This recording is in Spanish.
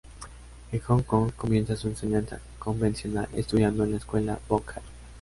En Hong Kong comienza su enseñanza convencional, estudiando en la Escuela Bok Jai.